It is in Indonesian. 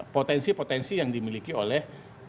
potensi potensi yang dimiliki oleh